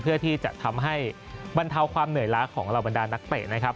เพื่อที่จะทำให้บรรเทาความเหนื่อยล้าของเหล่าบรรดานักเตะนะครับ